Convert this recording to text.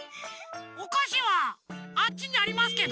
おかしはあっちにありますけど。